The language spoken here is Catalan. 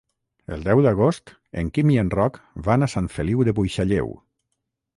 El deu d'agost en Quim i en Roc van a Sant Feliu de Buixalleu.